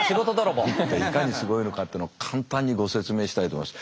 いかにすごいのかっていうのを簡単にご説明したいと思います。